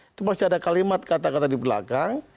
itu pasti ada kalimat kata kata di belakang